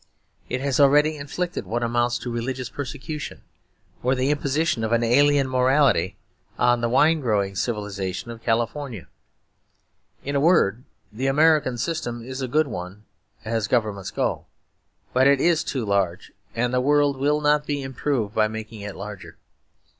It has already inflicted what amounts to religious persecution, or the imposition of an alien morality, on the wine growing civilisation of California. In a word, the American system is a good one as governments go; but it is too large, and the world will not be improved by making it larger.